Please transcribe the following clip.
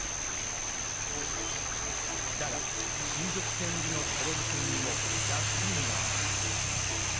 だが金属線入りのトロリ線にも弱点がある。